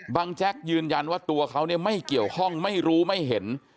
แจ๊กยืนยันว่าตัวเขาเนี่ยไม่เกี่ยวข้องไม่รู้ไม่เห็น